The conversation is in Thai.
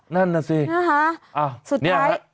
นั่นนะสิสุดท้ายนะฮะนี่ฮะ